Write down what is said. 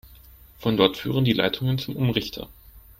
Von dort führen die Leitungen zum Umrichter.